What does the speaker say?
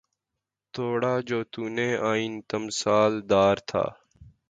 توڑا جو تو نے آئنہ تمثال دار تھا